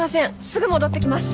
すぐ戻ってきます！